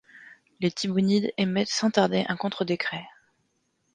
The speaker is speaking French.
Les Tibbonides émettent sans tarder un contre-décret.